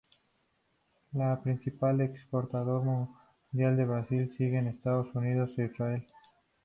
El principal exportador mundial es Brasil, siguen Estados Unidos e Israel.